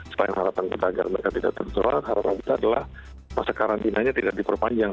supaya harapan kita agar mereka tidak tersoal harapan kita adalah masa karantinanya tidak diperpanjang